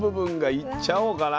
いっちゃおうかな。